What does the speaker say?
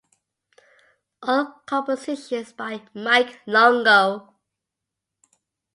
All compositions by Mike Longo